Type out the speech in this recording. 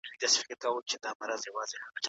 نوی نسل بايد د تېرو پېښو په اړه څېړنه وکړي.